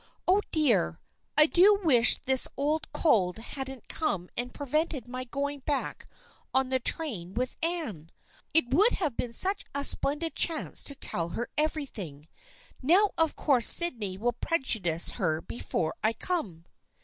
Oh, dear, I do wish this old cold hadn't come and prevented my going back on the train with Anne ! It would have been such a splendid chance to tell her everything. Now of course Sydney will prejudice her before I come."